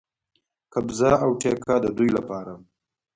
قبضه او ټیکه د دوی لپاره.